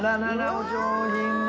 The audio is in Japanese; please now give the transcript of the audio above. お上品な。